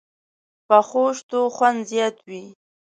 پخو شتو خوند زیات وي